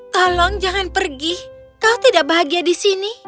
tolong jangan pergi kau tidak bahagia di sini